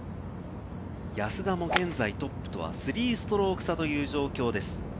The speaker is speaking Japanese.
安田も現在トップとは３ストローク差という状況です。